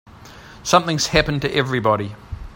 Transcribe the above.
Something's happened to everybody.